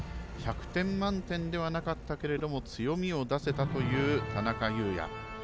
１００点満点ではなかったけれども強みを出せたという田中優弥。